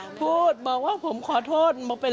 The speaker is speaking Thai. ทีพูดอะไรกับล้างกล้าไม่ใช่ชุดบอกว่าสนทุธ